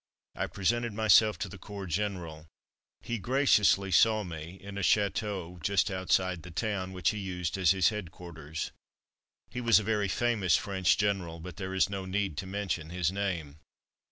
I presented myself to the corps general. He graciously saw me in a chateau just outside the town, which he used as his headquarters. He was a very famous French general, but there is no need to mention his name.